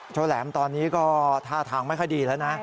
แหลมตอนนี้ก็ท่าทางไม่ค่อยดีแล้วนะ